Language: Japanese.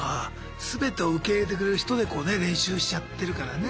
全てを受け入れてくれる人でこうね練習しちゃってるからね。